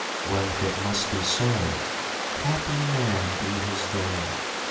Well, if it must be so, happy man be his dole!